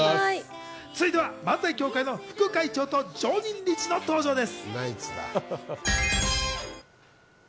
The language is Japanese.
続いては漫才協会の副会長と常任理事の登場です。